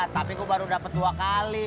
tapi gua baru dapet dua kali